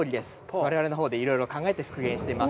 我々のほうでいろいろ考えて復元しています。